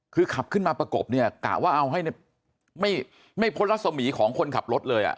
คือขับขึ้นมาประกบเนี่ยกะว่าเอาให้ไม่พ้นรัศมีของคนขับรถเลย